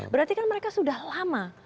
berarti kan mereka sudah lama